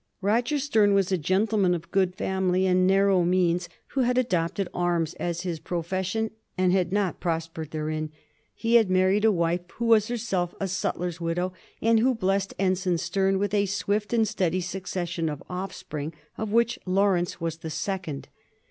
Roger Sterne was a gentleman of good family and narrow means, who 300 A BISTORT OF THE FOUB GEORGES. cb.zu. had adopted arms as his profession and had not prospered therein. He had married a wife who was herself a sutler's widow, and who blessed Ensign Sterne with a swift and steady succession of offspring, of whom Laurence was the second.